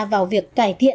vào việc cải thiện